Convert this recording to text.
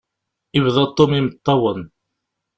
Yebda Tom imeṭṭawen.